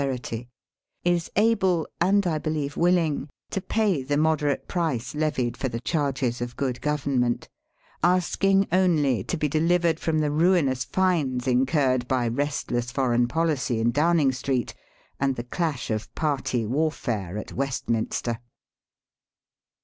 335 perity, is able, and I believe willing, to pay the moderate price levied for the charges of good government, asking only to be delivered from the ruinous fines incurred by restless foreign poUcy in Downing Street, and the clash of party warfare at Westminster.